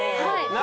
はい。